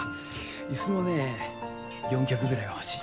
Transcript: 椅子もね４脚ぐらいは欲しい。